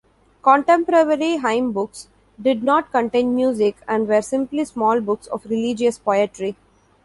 Contemporary hymnbooks did not contain music and were simply small books of religious poetry.